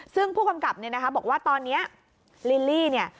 ซึ่งผู้กำกับบอกว่าตอนนี้ลิลลี่